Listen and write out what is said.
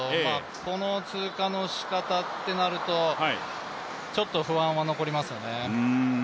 この通過のしかたってなるとちょっと不安は残りますよね。